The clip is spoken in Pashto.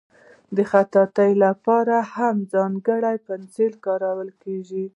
د خطاطۍ لپاره هم ځانګړي پنسلونه کارول کېږي.